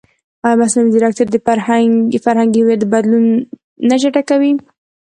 ایا مصنوعي ځیرکتیا د فرهنګي هویت بدلون نه چټکوي؟